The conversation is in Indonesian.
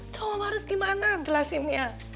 coba harus gimana jelasinnya